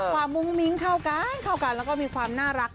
มุ้งมิ้งเข้ากันเข้ากันแล้วก็มีความน่ารัก